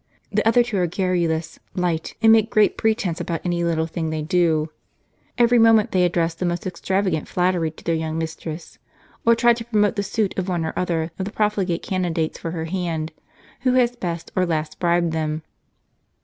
The other two are garrulous, light, and make great pretence about any little thing they do. Every moment they address the most extravagant flattery to their young mistress, or try to m promote the suit of one or other of the profligate candidates for her hand, who has best or last bribed them.